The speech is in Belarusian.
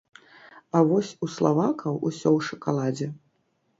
А вось у славакаў усё ў шакаладзе.